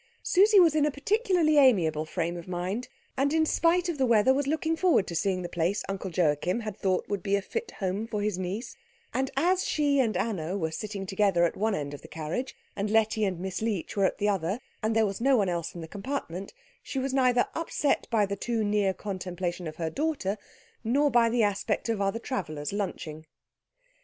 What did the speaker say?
Susie was in a particularly amiable frame of mind, and in spite of the weather was looking forward to seeing the place Uncle Joachim had thought would be a fit home for his niece; and as she and Anna were sitting together at one end of the carriage, and Letty and Miss Leech were at the other, and there was no one else in the compartment, she was neither upset by the too near contemplation of her daughter, nor by the aspect of other travellers lunching.